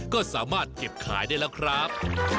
ก็สามารถเก็บขายได้แล้วครับ